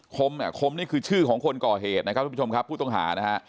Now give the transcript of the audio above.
คมนี่คือชื่อของคนก่อเหตุนะครับผู้ต้องหานะฮะ